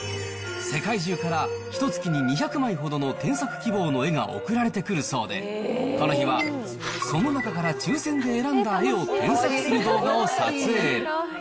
世界中からひとつきに２００枚ほどの添削希望の絵が送られてくるそうで、この日は、その中から抽せんで選んだ絵を添削する動画を撮影。